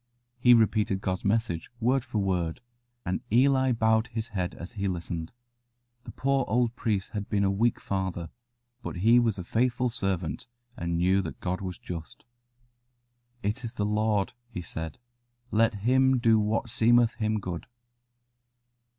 He repeated God's message word for word, and Eli bowed his head as he listened. The poor old priest had been a weak father, but he was a faithful servant, and knew that God was just. "It is the Lord," he said: "let Him do what seemeth Him good."